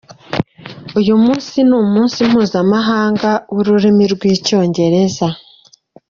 Uyu munsi ni umunsi mpuzamahanga w’ururimi rw’icyongereza.